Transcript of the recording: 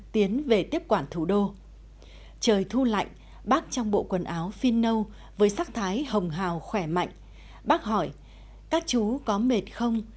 tiến về tiếp quản thủ đô trời thu lạnh bác trong bộ quần áo phin nâu với sắc thái hồng hào khỏe mạnh bác hỏi các chú có mệt không